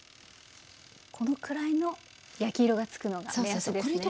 このくらいの焼き色が付くのが目安ですね。